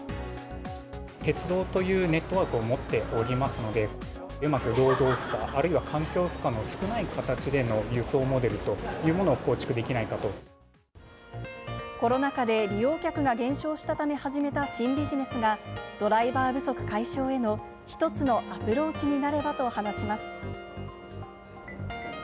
鉄道というネットワークを持っておりますので、うまく労働負荷、あるいは環境負荷の少ない形での輸送モデルというものを構築できコロナ禍で利用客が減少したため始めた新ビジネスが、ドライバー不足解消への一つのアプローチになればと話します。